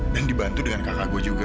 dan dibantu dengan kakak gue juga